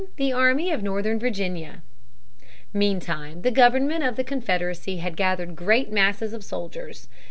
The Army of Northern Virginia. Meantime the government of the Confederacy had gathered great masses of soldiers.